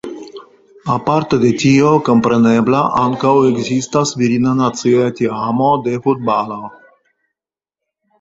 Aparte de tio komprenebla ankaŭ ekzistas virina nacia teamo de futbalo.